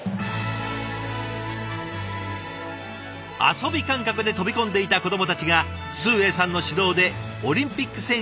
遊び感覚で飛び込んでいた子どもたちが崇英さんの指導でオリンピック選手にまで成長する。